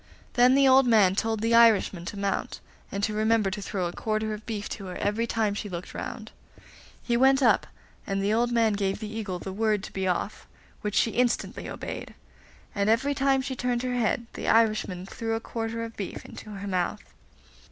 Then the old man told the Irishman to mount, and to remember to throw a quarter of beef to her every time she looked round. He went up, and the old man gave the Eagle the word to be off, which she instantly obeyed; and every time she turned her head the Irishman threw a quarter of beef into her mouth.